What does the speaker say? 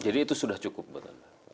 jadi itu sudah cukup buat anda